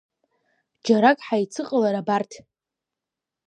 Џьарак ҳаицыҟалар абарҭ!